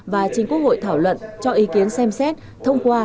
và chính quốc hội thảo luận cho ý kiến xem xét thông qua